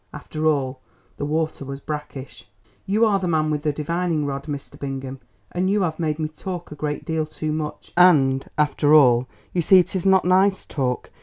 After all, the water was brackish. You are the man with the divining rod, Mr. Bingham, and you have made me talk a great deal too much, and, after all, you see it is not nice talk.